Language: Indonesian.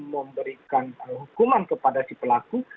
memberikan hukuman kepada si pelaku